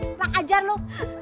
kurang ajar lo